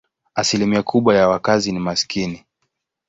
Asilimia kubwa ya wakazi ni maskini.